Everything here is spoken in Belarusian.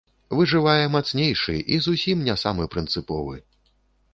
Выжывае мацнейшы і зусім не самы прынцыповы.